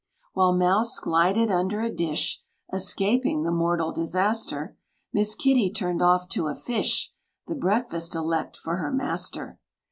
While Mouse glided under a dish. Escaping the mortal disaster, Miss Kitty turned off to a fish, The breakfast elect for her master.